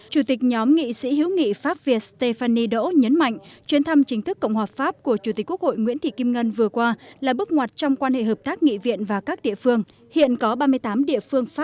chủ tịch nhóm nghị sĩ hữu nghị pháp việt stéphane đỗ nhấn mạnh chuyên thăm chính thức cộng hòa pháp của chủ tịch quốc hội nguyễn thị kim ngân vừa qua là bước ngoặt trong quan hệ hợp tác nghị viện và các địa phương